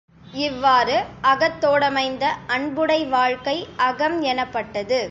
இவ்வாறு அகத்தோடமைந்த அன்புடை வாழ்க்கை அகம் எனப்பட்டது.